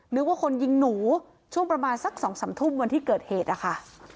นึกว่าคนยิงหนูช่วงประมาณสัก๒๓ทุ่มวันที่เกิดเหตุนะคะ